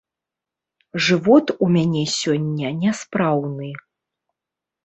Жывот у мяне сёння няспраўны.